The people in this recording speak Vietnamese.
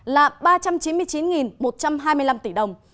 là ba trăm chín mươi chín một trăm hai mươi năm tỷ đồng